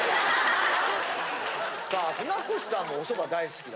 さあ船越さんもおそば大好き。